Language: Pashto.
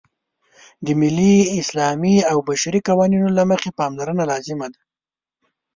د ملي، اسلامي او بشري قوانینو له مخې پاملرنه لازمه ده.